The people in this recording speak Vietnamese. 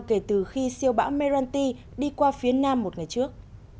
kể từ khi siêu bão meranti đi qua phía nam một ngày trước